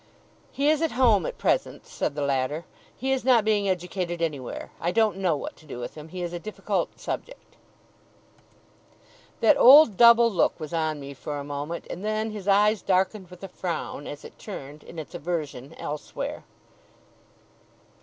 'He is at home at present,' said the latter. 'He is not being educated anywhere. I don't know what to do with him. He is a difficult subject.' That old, double look was on me for a moment; and then his eyes darkened with a frown, as it turned, in its aversion, elsewhere.